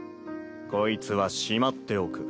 こいつはしまっておく。